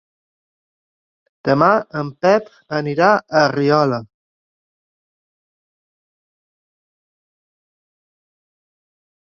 Demà en Pep anirà a Riola.